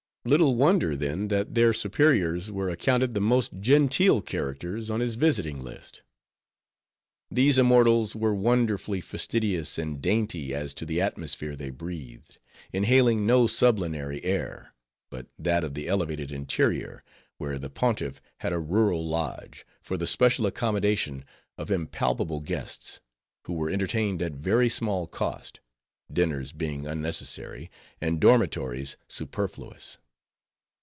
Little wonder, then, that their superiors were accounted the most genteel characters on his visiting list. These immortals were wonderfully fastidious and dainty as to the atmosphere they breathed; inhaling no sublunary air, but that of the elevated interior; where the Pontiff had a rural lodge, for the special accommodation of impalpable guests; who were entertained at very small cost; dinners being unnecessary, and dormitories superfluous.